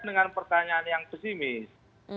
dengan pertanyaan yang pesimis